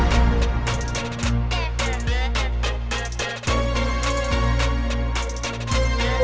mbak tersang ih fals si sppet